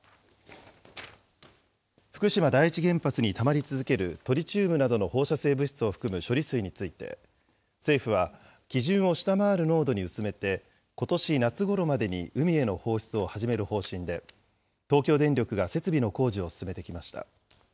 福島第一原発にたまり続けるトリチウムなどの放射性物質を含む処理水について、政府は基準を下回る濃度に薄めて、ことし夏ごろまでに海への放出を始める方針で、東京電力が設備の工事を進めてきました。